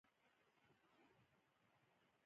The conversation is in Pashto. د دنیا نعمتونه یې پرې قطار کړي.